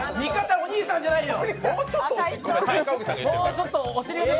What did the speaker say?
お兄さんじゃないよ！